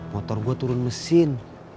motor gua turun mesin